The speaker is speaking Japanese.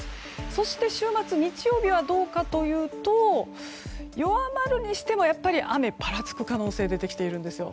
そして週末日曜日はどうかというと弱まるにしても雨がぱらつく可能性が出てきているんですよ。